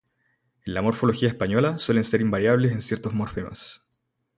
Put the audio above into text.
En la morfología española suelen ser invariables en ciertos morfemas.